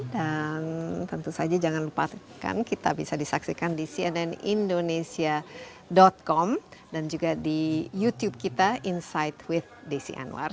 dan tentu saja jangan lupakan kita bisa disaksikan di cnnindonesia com dan juga di youtube kita insight with desi anwar